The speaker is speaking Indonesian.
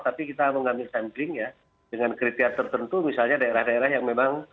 tapi kita mengambil sampling ya dengan kriteria tertentu misalnya daerah daerah yang memang